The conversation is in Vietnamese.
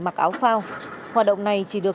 mặc áo phao hoạt động này chỉ được